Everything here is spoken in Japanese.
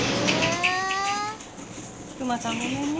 クマさんごめんね。